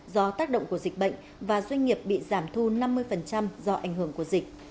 do tác động của dịch bệnh và doanh nghiệp bị giảm thu năm mươi do ảnh hưởng của dịch